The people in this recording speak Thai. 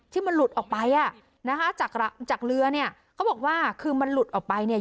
ที่มันหลุดออกไปอ่ะนะคะจากจากเรือเนี่ยเขาบอกว่าคือมันหลุดออกไปเนี่ย